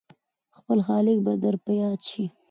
خپل خالق به در په ياد شي !